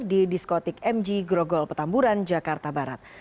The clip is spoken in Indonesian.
di diskotik mg grogol petamburan jakarta barat